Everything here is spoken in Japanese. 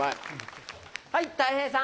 はいたい平さん。